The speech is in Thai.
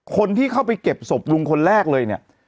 คนที่เข้าไปเก็บศพลุงคนแรกเลยเนี่ย